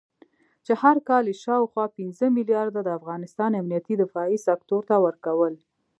چې هر کال یې شاوخوا پنځه مليارده د افغانستان امنيتي دفاعي سکتور ته ورکول